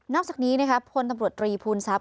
อกจากนี้พลตำรวจตรีภูมิทรัพย